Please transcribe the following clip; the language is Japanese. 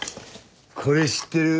これ知ってる？